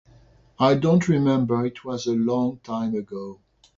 I don't remember, it was a long time ago.